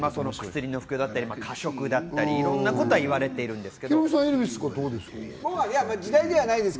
薬だったり、過食だったり、いろんなことが言われています。